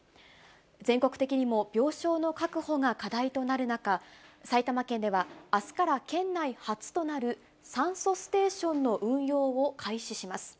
全国的にも病床の確保が課題となる中、埼玉県ではあすから県内初となる、酸素ステーションの運用を開始します。